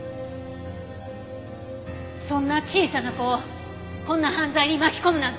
そんな小さな子をこんな犯罪に巻き込むなんて。